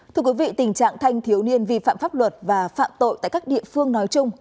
thưa quý vị tình trạng thanh thiếu niên vi phạm pháp luật và phạm tội tại các địa phương nói chung